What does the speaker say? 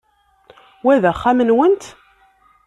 Wa d axxam-nwent?